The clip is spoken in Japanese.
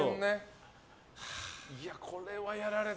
これはやられた。